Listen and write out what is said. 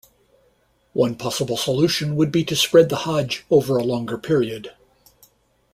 One possible solution would be to spread the Hajj over a longer period.